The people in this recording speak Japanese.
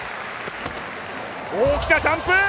大きなジャンプ！